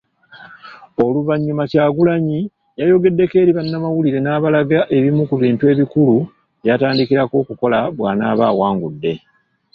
Oluvannyuma Kyagulanyi ayogeddeko eri bannamawulire n'abalaga ebimu ku bintu ebikulu by'atandikirako okukola bwanaaba awangudde.